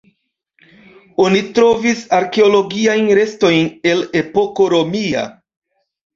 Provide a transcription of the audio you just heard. Oni trovis arkeologiajn restojn el epoko romia.